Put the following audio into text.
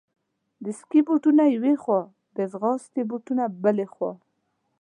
د سکې بوټونه یوې خوا، د ځغاستې بوټونه بلې خوا.